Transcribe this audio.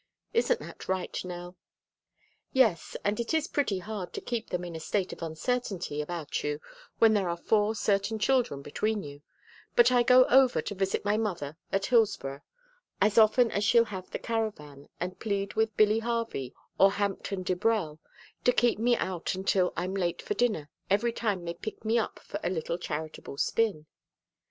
Isn't that right, Nell?" "Yes, and it is pretty hard to keep them in a state of uncertainty about you when there are four certain children between you, but I go over to visit my mother at Hillsboro as often as she'll have the caravan and plead with Billy Harvey or Hampton Dibrell to keep me out until I'm late for dinner every time they pick me up for a little charitable spin.